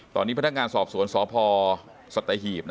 ตอนนี้พนักงานสอบสวนสพสัตหีบ